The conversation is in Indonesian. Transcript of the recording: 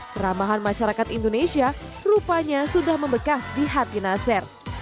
keramahan masyarakat indonesia rupanya sudah membekas di hati nasir